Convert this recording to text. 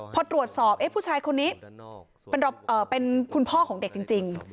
พอตรวจสอบผู้ชายคนนี้เป็นคุณพ่อของเด็กจริง